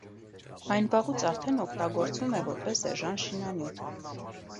Այն վաղուց արդեն օգտագործվում է որպես էժան շինանյութ։